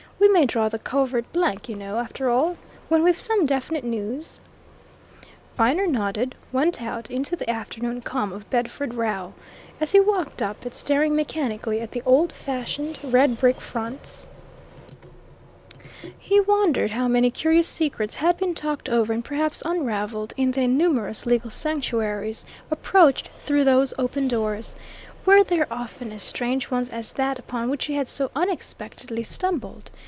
"We may draw the covert blank, you know, after all. When we've some definite news " Viner nodded, went out, into the afternoon calm of Bedford Row. As he walked up it, staring mechanically at the old fashioned red brick fronts, he wondered how many curious secrets had been talked over and perhaps unravelled in the numerous legal sanctuaries approached through those open doorways. Were there often as strange ones as that upon which he had so unexpectedly stumbled?